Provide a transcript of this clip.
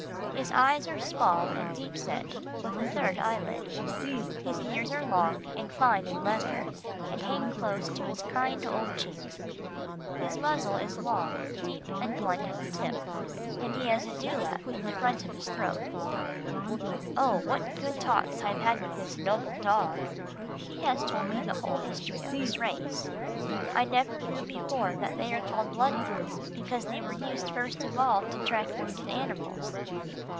His eyes are small and deep set, with a third eyelid. His ears are long and fine in "leather," and hang close to his kind old cheeks. His muzzle is long, deep and blunt at the tip, and he has a dewlap in the front of his throat. [Illustration: KING HARRY, THE BEST SPECIMEN OF A BLOODHOUND I EVER SAW] Oh! what good talks I have had with this noble dog. He has told me the whole history of his race. I never knew before that they are called bloodhounds because they were used first of all to track wounded animals.